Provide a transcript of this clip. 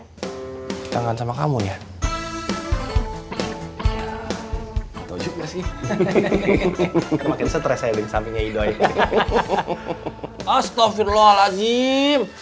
tetanggaan sama kamu ya atau juga sih makin stress saya lebih sampingnya i doy astagfirullahaladzim